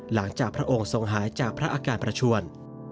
หลังจากพระองค์ทรงหายจากพระอาการไพรชวน